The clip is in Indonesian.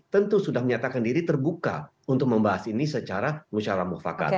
tentu sudah menyatakan diri terbuka untuk membahas ini secara musyawarah mufakat